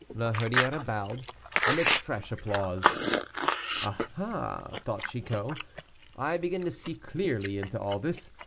La Hurière bowed, amidst fresh applause. "Ah! ah!" thought Chicot, "I begin to see clearly into all this.